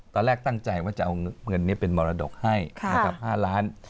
ตอนแรกตั้งใจว่าจะเอาเงินนี้เป็นมรดกให้นะครับ๕ล้าน